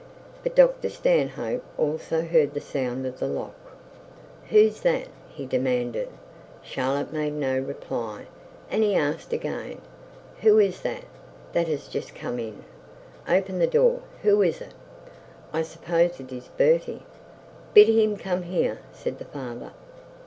But Dr Stanhope also heard the sound of the lock. 'Who's that?' he demanded. Charlotte made no reply, and he asked again. 'Who is that that has just come in? Open the door. Who is it?' 'I suppose it is Bertie.' 'Bid him to come here,' said the father.